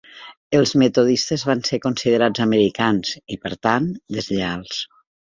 Els metodistes van ser considerats americans i, per tant, deslleials.